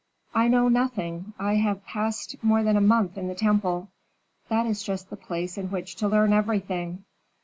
"I know nothing. I have passed more than a month in the temple." "That is just the place in which to learn everything."